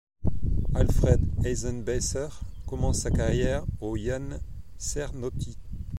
Alfred Eisenbeisser commence sa carrière au Jahn Cernăuți.